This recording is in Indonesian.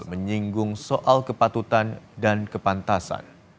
menyinggung soal kepatutan dan kepantasan